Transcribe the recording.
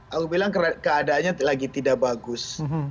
aku bilang keadaannya lagi tidak bagus